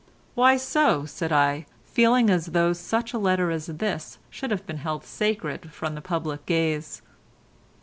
"Why so?" said I, feeling as though such a letter as this should have been held sacred from the public gaze.